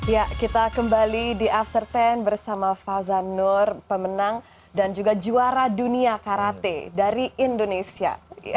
ya kita kembali di after sepuluh bersama fauzan nur pemenang dan juga juara dunia karate dari indonesia